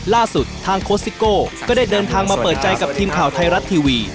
ล่าสุดทางโค้ชซิโก้ก็ได้เดินทางมาเปิดใจกับทีมข่าวไทยรัฐทีวี